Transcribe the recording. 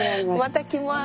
また来ます。